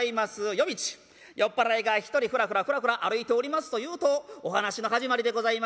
夜道酔っ払いが一人フラフラフラフラ歩いておりますというとお噺の始まりでございまして。